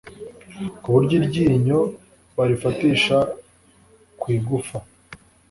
ku buryo iryinyo barifatisha ku igufa